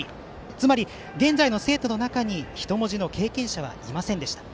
つまり、現在の生徒の中に人文字の経験者はいませんでした。